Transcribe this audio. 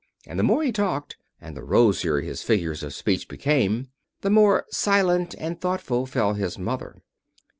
And the more he talked and the rosier his figures of speech became, the more silent and thoughtful fell his mother.